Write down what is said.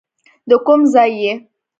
د کوم ځای یې.